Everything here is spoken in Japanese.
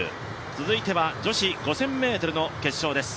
続いては女子５０００ｍの決勝です。